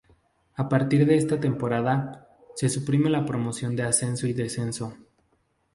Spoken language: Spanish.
A partir de esta temporada, se suprime la promoción de ascenso y descenso.